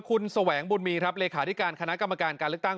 คุณแสวงบุญมีครับเลขาธิการคณะกรรมการการเลือกตั้ง